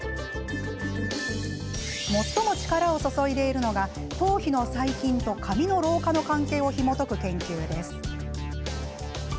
最も力を注いでいるのが頭皮の細菌と髪の老化の関係をひもとく研究です。